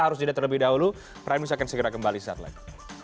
tapi sebelumnya lebih dahulu prime news akan segera kembali setelah ini